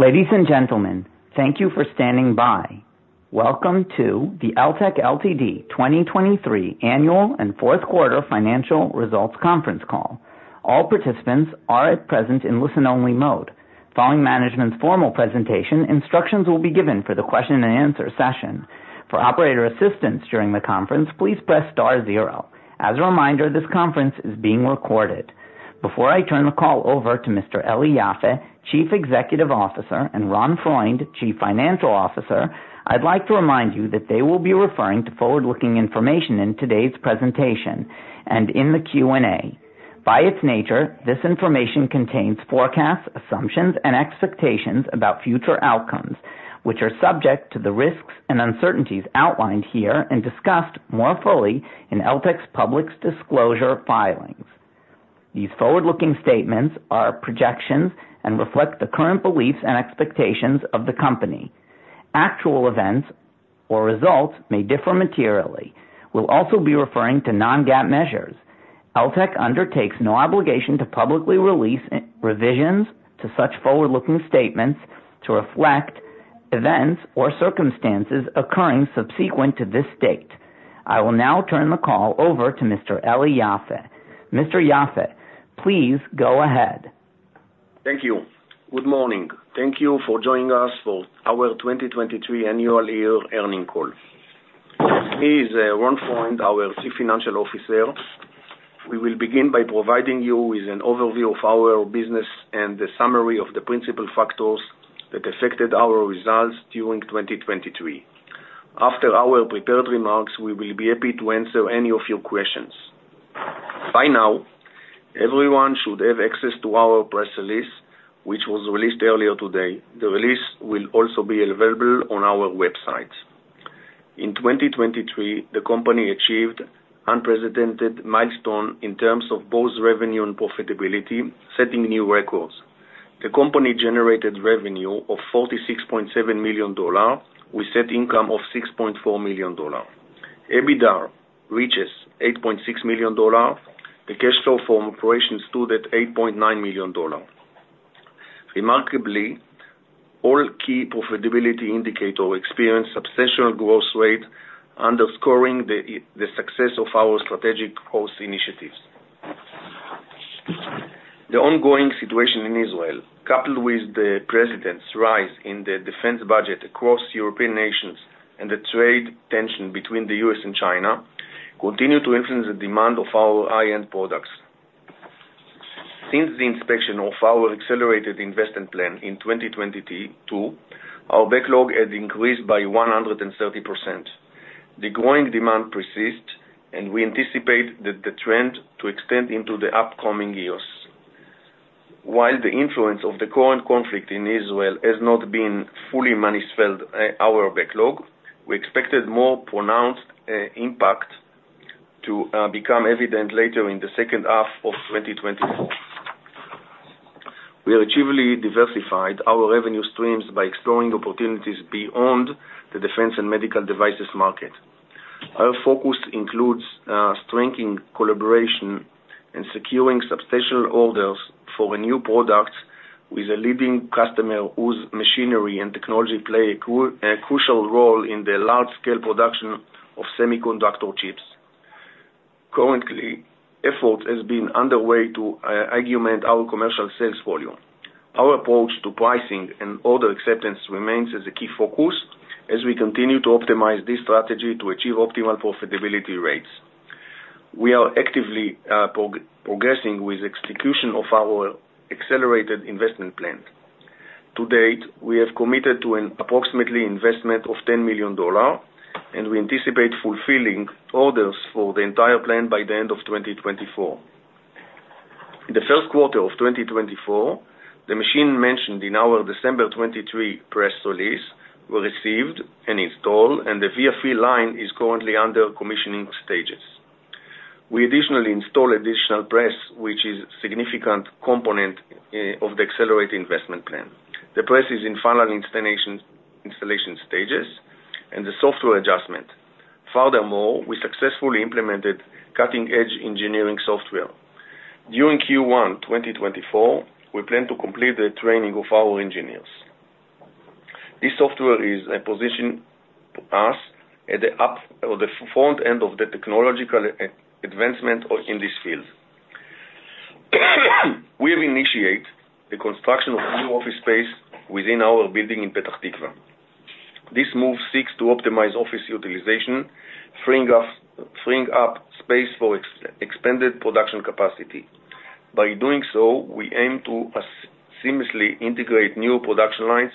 Ladies and gentlemen, thank you for standing by. Welcome to the Eltek Ltd. 2023 Annual and Fourth Quarter Financial Results Conference Call. All participants are at present in listen-only mode. Following management's formal presentation, instructions will be given for the question and answer session. For operator assistance during the conference, please press star zero. As a reminder, this conference is being recorded. Before I turn the call over to Mr. Eli Yaffe, Chief Executive Officer, and Ron Freund, Chief Financial Officer, I'd like to remind you that they will be referring to forward-looking information in today's presentation and in the Q&A. By its nature, this information contains forecasts, assumptions and expectations about future outcomes, which are subject to the risks and uncertainties outlined here and discussed more fully in Eltek's public disclosure filings. These forward-looking statements are projections and reflect the current beliefs and expectations of the company. Actual events or results may differ materially. We'll also be referring to non-GAAP measures. Eltek undertakes no obligation to publicly release revisions to such forward-looking statements to reflect events or circumstances occurring subsequent to this date. I will now turn the call over to Mr. Eli Yaffe. Mr. Yaffe, please go ahead. Thank you. Good morning. Thank you for joining us for our 2023 annual year earnings call. Here is Ron Freund, our Chief Financial Officer. We will begin by providing you with an overview of our business and the summary of the principal factors that affected our results during 2023. After our prepared remarks, we will be happy to answer any of your questions. By now, everyone should have access to our press release, which was released earlier today. The release will also be available on our website. In 2023, the company achieved unprecedented milestone in terms of both revenue and profitability, setting new records. The company generated revenue of $46.7 million, with net income of $6.4 million. EBITDA reaches $8.6 million. The cash flow from operations stood at $8.9 million. Remarkably, all key profitability indicator experienced substantial growth rate, underscoring the success of our strategic growth initiatives. The ongoing situation in Israel, coupled with the precipitous rise in the defense budget across European nations and the trade tension between the US and China, continue to influence the demand of our high-end products. Since the inception of our accelerated investment plan in 2022, our backlog has increased by 130%. The growing demand persists, and we anticipate that the trend to extend into the upcoming years. While the influence of the current conflict in Israel has not been fully manifested, our backlog, we expected more pronounced impact to become evident later in the second half of 2024. We are actively diversified our revenue streams by exploring opportunities beyond the defense and medical devices market. Our focus includes, strengthening collaboration and securing substantial orders for a new product with a leading customer whose machinery and technology play a crucial role in the large-scale production of semiconductor chips. Currently, effort has been underway to, augment our commercial sales volume. Our approach to pricing and order acceptance remains as a key focus as we continue to optimize this strategy to achieve optimal profitability rates. We are actively, progressing with execution of our accelerated investment plan. To date, we have committed to an approximately investment of $10 million, and we anticipate fulfilling orders for the entire plan by the end of 2024. In the first quarter of 2024, the machine mentioned in our December 2023 press release was received and installed, and the Via Fill line is currently under commissioning stages. We additionally install additional press, which is a significant component of the accelerated investment plan. The press is in final installation stages and the software adjustment. Furthermore, we successfully implemented cutting-edge engineering software. During Q1 2024, we plan to complete the training of our engineers. This software is a position to us at the up or the front end of the technological advancement in this field. We have initiate the construction of a new office space within our building in Petah Tikva. This move seeks to optimize office utilization, freeing up space for expanded production capacity. By doing so, we aim to seamlessly integrate new production lines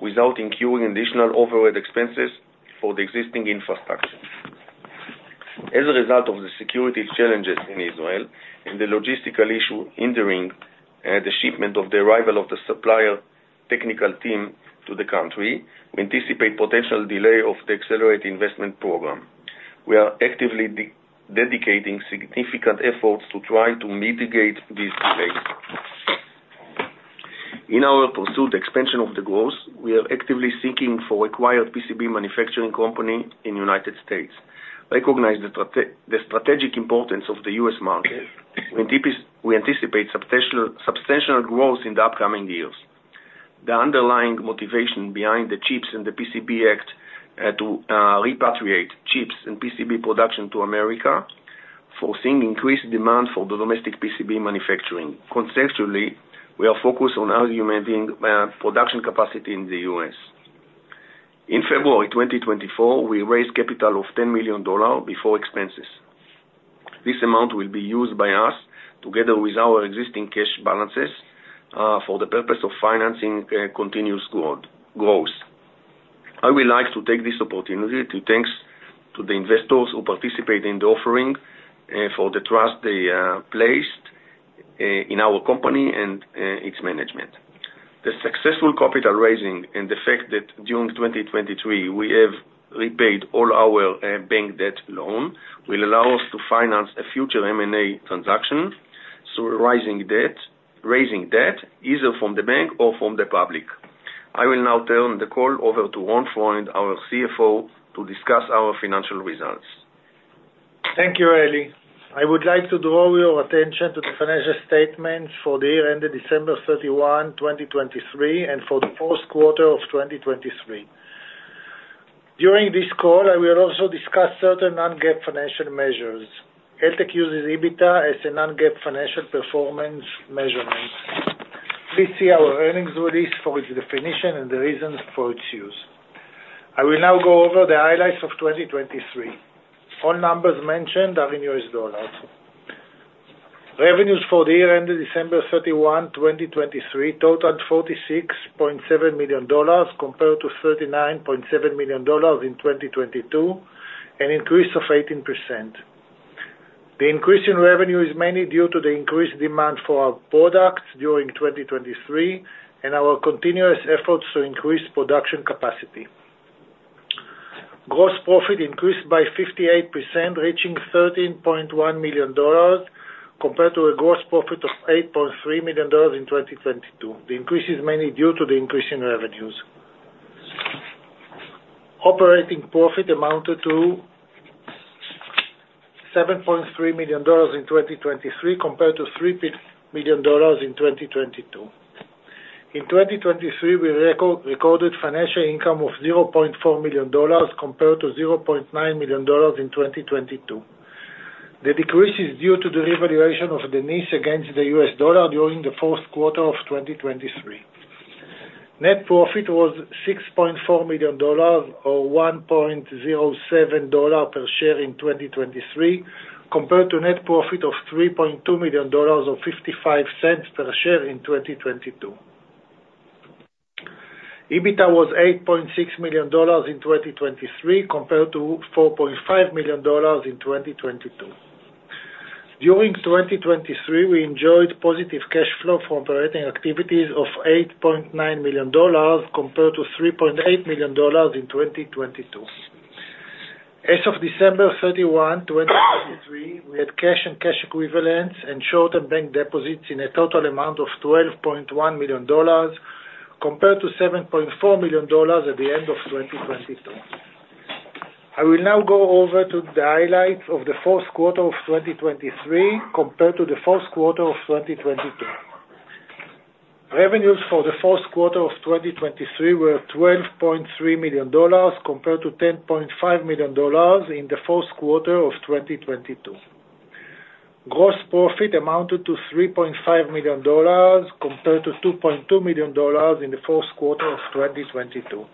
without incurring additional overhead expenses for the existing infrastructure. As a result of the security challenges in Israel and the logistical issue hindering the shipment of the arrival of the supplier technical team to the country, we anticipate potential delay of the accelerated investment program. We are actively dedicating significant efforts to try to mitigate this delay. In our pursuit expansion of the growth, we are actively seeking for acquired PCB manufacturing company in United States. We recognize the strategic importance of the U.S. market. We anticipate substantial growth in the upcoming years. The underlying motivation behind the CHIPS and Science Act to repatriate chips and PCB production to America, foreseeing increased demand for the domestic PCB manufacturing. Conceptually, we are focused on how maintaining production capacity in the U.S. In February 2024, we raised capital of $10 million before expenses. This amount will be used by us together with our existing cash balances for the purpose of financing continuous growth, growth. I would like to take this opportunity to thanks to the investors who participate in the offering for the trust they placed in our company and its management. The successful capital raising and the fact that during 2023, we have repaid all our bank debt loan will allow us to finance a future M&A transaction, so rising debt-- raising debt, either from the bank or from the public. I will now turn the call over to Ron Freund, our CFO, to discuss our financial results. Thank you, Eli. I would like to draw your attention to the financial statements for the year ended December 31, 2023, and for the fourth quarter of 2023. During this call, I will also discuss certain non-GAAP financial measures. Eltek uses EBITDA as a non-GAAP financial performance measurement. Please see our earnings release for its definition and the reasons for its use. I will now go over the highlights of 2023. All numbers mentioned are in U.S. dollars. Revenues for the year ended December 31, 2023, totaled $46.7 million, compared to $39.7 million in 2022, an increase of 18%. The increase in revenue is mainly due to the increased demand for our products during 2023 and our continuous efforts to increase production capacity. Gross profit increased by 58%, reaching $13.1 million, compared to a gross profit of $8.3 million in 2022. The increase is mainly due to the increase in revenues. Operating profit amounted to $7.3 million in 2023, compared to $3 million in 2022. In 2023, we recorded financial income of $0.4 million, compared to $0.9 million in 2022. The decrease is due to the revaluation of the NIS against the US dollar during the fourth quarter of 2023. Net profit was $6.4 million or $1.07 per share in 2023, compared to net profit of $3.2 million or $0.55 per share in 2022. EBITDA was $8.6 million in 2023, compared to $4.5 million in 2022. During 2023, we enjoyed positive cash flow from operating activities of $8.9 million, compared to $3.8 million in 2022. As of December 31, 2023, we had cash and cash equivalents and short-term bank deposits in a total amount of $12.1 million, compared to $7.4 million at the end of 2022. I will now go over to the highlights of the fourth quarter of 2023 compared to the fourth quarter of 2022. Revenues for the fourth quarter of 2023 were $12.3 million, compared to $10.5 million in the fourth quarter of 2022. Gross profit amounted to $3.5 million, compared to $2.2 million in the fourth quarter of 2022.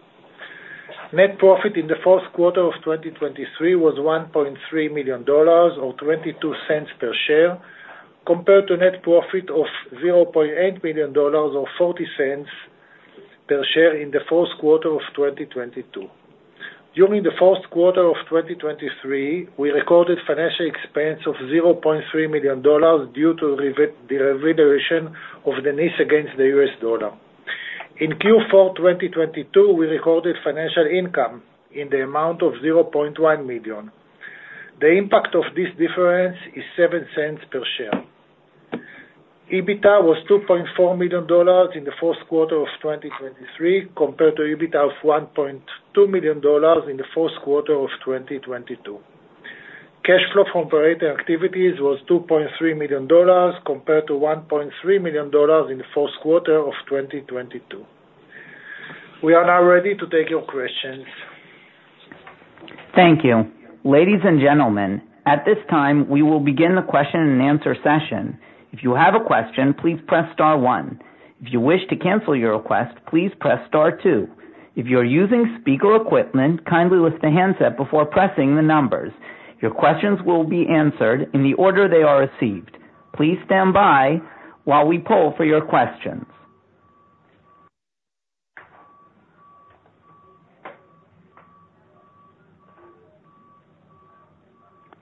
Net profit in the fourth quarter of 2023 was $1.3 million or $0.22 per share, compared to net profit of $0.8 million or $0.40 per share in the fourth quarter of 2022. During the fourth quarter of 2023, we recorded financial expense of $0.3 million due to the revaluation of the NIS against the US dollar. In Q4 2022, we recorded financial income in the amount of $0.1 million. The impact of this difference is 7 cents per share. EBITDA was $2.4 million in the fourth quarter of 2023, compared to EBITDA of $1.2 million in the fourth quarter of 2022. Cash flow from operating activities was $2.3 million, compared to $1.3 million in the fourth quarter of 2022. We are now ready to take your questions. Thank you. Ladies and gentlemen, at this time, we will begin the question and answer session. If you have a question, please press star one. If you wish to cancel your request, please press star two. If you are using speaker equipment, kindly lift the handset before pressing the numbers. Your questions will be answered in the order they are received. Please stand by while we poll for your questions.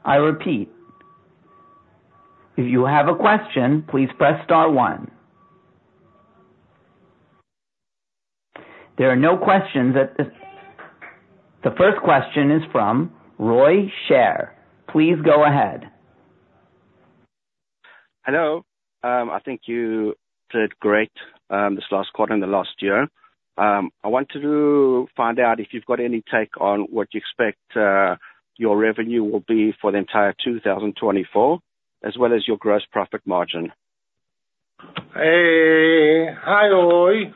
I repeat, if you have a question, please press star one. The first question is from Roy Sher. Please go ahead.... Hello. I think you did great, this last quarter and the last year. I wanted to find out if you've got any take on what you expect, your revenue will be for the entire 2024, as well as your gross profit margin? Hi, Roy.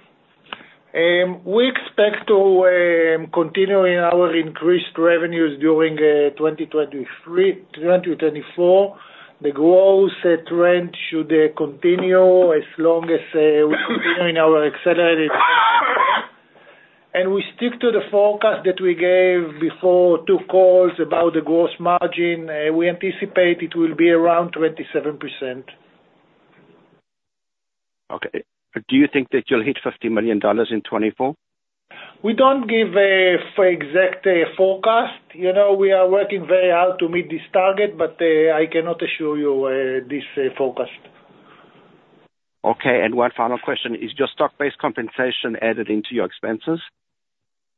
We expect to continuing our increased revenues during 2023, 2024. The growth trend should continue as long as we continue in our accelerated and we stick to the forecast that we gave before two calls about the gross margin. We anticipate it will be around 27%. Okay. Do you think that you'll hit $50 million in 2024? We don't give an exact forecast. You know, we are working very hard to meet this target, but I cannot assure you this forecast. Okay. And one final question: Is your stock-based compensation added into your expenses?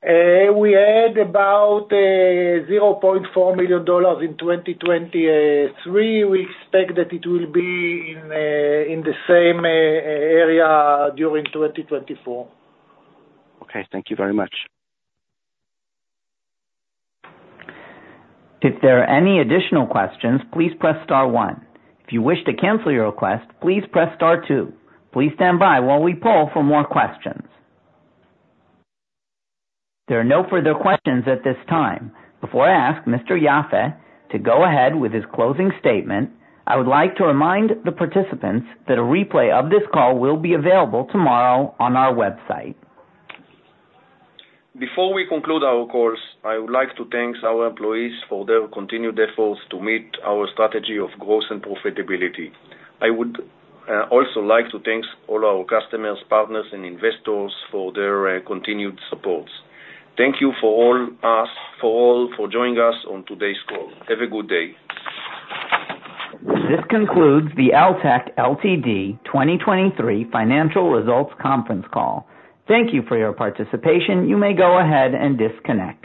We add about $0.4 million in 2023. We expect that it will be in the same area during 2024. Okay. Thank you very much. If there are any additional questions, please press star one. If you wish to cancel your request, please press star two. Please stand by while we poll for more questions. There are no further questions at this time. Before I ask Mr. Yaffe to go ahead with his closing statement, I would like to remind the participants that a replay of this call will be available tomorrow on our website. Before we conclude our calls, I would like to thank our employees for their continued efforts to meet our strategy of growth and profitability. I would also like to thank all our customers, partners, and investors for their continued support. Thank you for joining us on today's call. Have a good day. This concludes the Eltek Ltd. 2023 financial results conference call. Thank you for your participation. You may go ahead and disconnect.